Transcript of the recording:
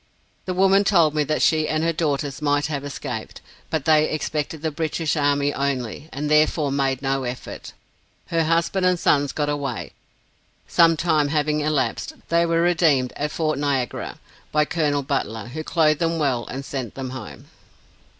The woman told me that she and her daughters might have escaped, but that they expected the British army only, and therefore made no effort. Her husband and sons got away. Sometime having elapsed, they were redeemed at Fort Niagara by Col. Butler, who clothed them well, and sent them home.